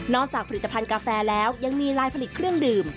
จากผลิตภัณฑ์กาแฟแล้วยังมีลายผลิตเครื่องดื่ม